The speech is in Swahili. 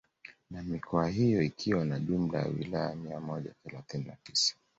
Na mikoa hiyo ikiwa na jumla ya wilaya mia moja thelathini na tisa